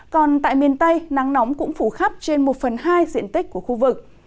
còn tại miền tây nắng nóng cũng phủ khắp trên một phần hai diện tích của khu vực